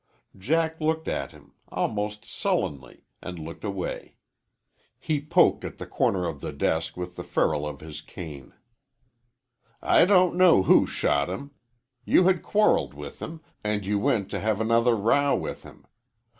Jack looked at him, almost sullenly, and looked away. He poked at the corner of the desk with the ferrule of his cane. "I don't know who shot him. You had quarreled with him, and you went to have another row with him.